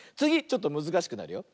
ちょっとむずかしくなるよ。